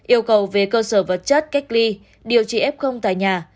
yêu cầu về cơ sở vật chất cách ly điều trị f tại nhà